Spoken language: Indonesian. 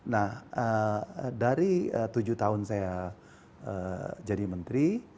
nah dari tujuh tahun saya jadi menteri